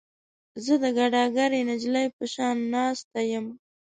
زه د ګداګرې نجلۍ په شان ناسته یم.